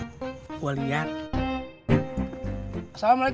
sekarang dia bisa lakukan itu octopus karena seorang pakaian